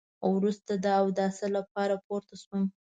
وروسته د اوداسه لپاره پورته شوم.